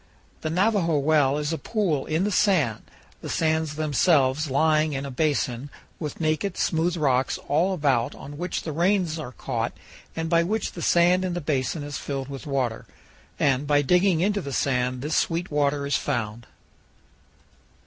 The Navajo Well is a pool in the sand, the sands themselves lying in a basin, with naked, smooth rocks all about on which the rains are caught and by which the sand in the basin is filled with water, and by digging into the sand this sweet water is found.